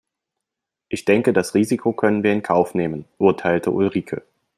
"Ich denke das Risiko können wir in Kauf nehmen", urteilte Ulrike.